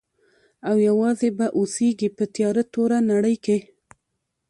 او یوازي به اوسیږي په تیاره توره نړۍ کي.